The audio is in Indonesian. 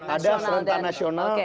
ada serentak nasional